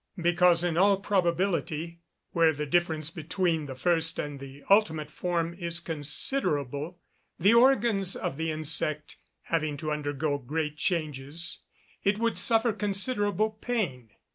_ Because in all probability, where the difference between the first and the ultimate form is considerable, the organs of the insect having to undergo great changes, it would suffer considerable pain.